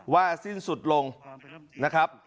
สิ้นสุดลงนะครับ